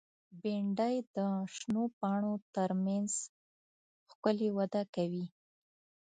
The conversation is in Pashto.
بېنډۍ د شنو پاڼو تر منځ ښکلي وده کوي